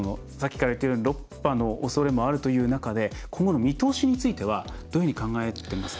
６波のおそれもあるという中で今後の見通しについてはどういうふうに考えていますか？